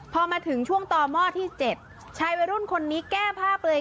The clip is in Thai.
พอมาถึงช่วงต่อหม้อที่๗ชายวัยรุ่นคนนี้แก้ภาพเลย